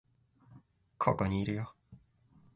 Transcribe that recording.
ここにいるよ